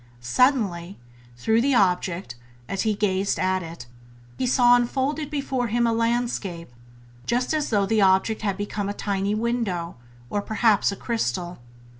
Suddenly, through the object, as he gazed at it, he saw unfolded before him a landscape, just as though the object had become a tiny window, or perhaps a crystal.